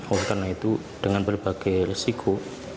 oleh karena itu dengan berbagai risiko